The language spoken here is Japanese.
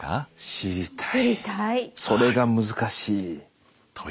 知りたい。